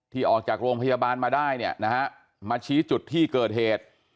ออกจากโรงพยาบาลมาได้เนี่ยนะฮะมาชี้จุดที่เกิดเหตุ